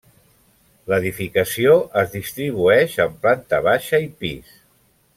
L'edificació es distribueix en planta baixa i pis.